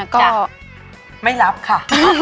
ก็ไม่รับค่ะ